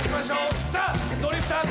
ザ・ドリフターズ。